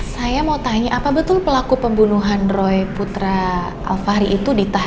saya mau tanya apa betul pelaku pembunuhan roy putra alfari itu ditahan